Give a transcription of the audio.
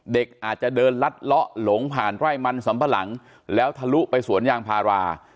เด็กอาจจะเดินลัดเลาะหลงผ่านไร่มันสำปะหลังแล้วทะลุไปสวนยางพารา